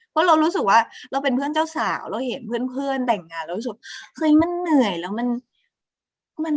เพราะเรารู้สึกว่าเราเป็นเพื่อนเจ้าสาวเราเห็นเพื่อนแต่งงานแล้วรู้สึกว่าคือมันเหนื่อยแล้วมันไม่สนุกเลยกับการแต่งงานอะ